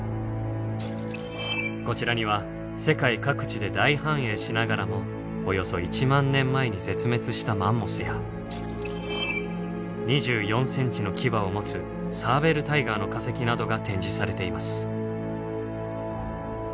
こちらには世界各地で大繁栄しながらもおよそ１万年前に絶滅したマンモスや２４センチの牙を持つサーベルタイガーの化石などが展示されています。